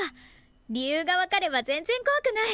理由が分かれば全然こわくない！